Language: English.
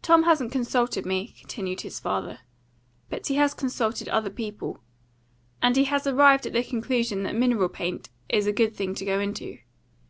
"Tom hasn't consulted me," continued his father, "but he has consulted other people. And he has arrived at the conclusion that mineral paint is a good thing to go into.